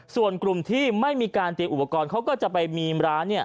ส่วนกลุ่มที่ไม่มีการเตรียมอุปกรณ์เขาก็จะไปมีร้าน